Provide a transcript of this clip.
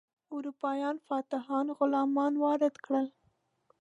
اروپایي فاتحانو غلامان وارد کړل.